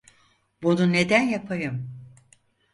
Bunu neden yapayım?